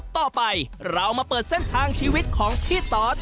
ต่อไปเรามาเปิดเส้นทางชีวิตของพี่ตอส